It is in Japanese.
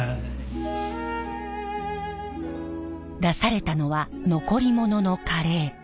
出されたのは残り物のカレー。